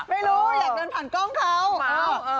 ไม่รู้อยากเดินผ่านกล้องเขา